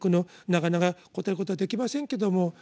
なかなか答えることはできませんけども